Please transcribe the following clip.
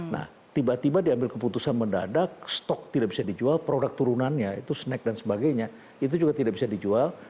nah tiba tiba diambil keputusan mendadak stok tidak bisa dijual produk turunannya itu snack dan sebagainya itu juga tidak bisa dijual